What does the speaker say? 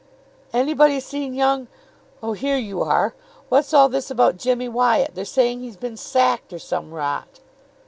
"Anybody seen young oh, here you are. What's all this about Jimmy Wyatt? They're saying he's been sacked, or some rot."